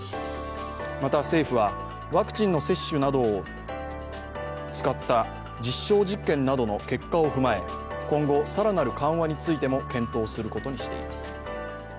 また政府はワクチンの接種などを使った実証実験などの結果を踏まえ今後、更なる緩和についても検討することにしています。